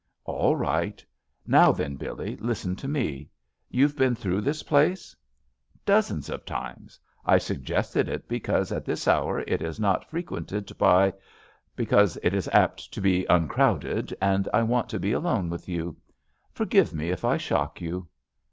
"All right. Now then, Billee, listen to me. You've been through this place ?" "Dozens of times. I suggested it because at this hour it is not frequented by — ^because it is apt to be uncrowdcd, and I wanted to be alone with you. Forgive me if I shock you."